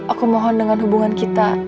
aku mohon dengan hubungan kita